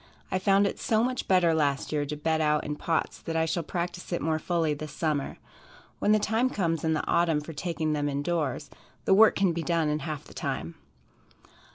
I found it so much better last year to bed out in pots that I shall practice it more fully this summer. When the time comes in the autumn for taking them in doors, the work can be done in half the time.